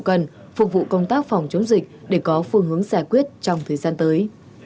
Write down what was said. cần phục vụ công tác phòng chống dịch để có phương hướng giải quyết trong thời gian tới